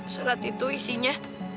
surat itu isinya